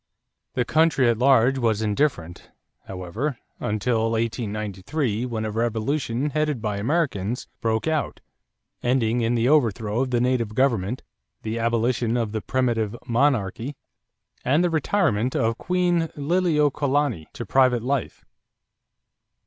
The country at large was indifferent, however, until 1893, when a revolution, headed by Americans, broke out, ending in the overthrow of the native government, the abolition of the primitive monarchy, and the retirement of Queen Liliuokalani to private life.